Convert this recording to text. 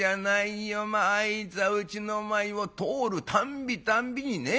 まああいつはうちの前を通るたんびたんびにね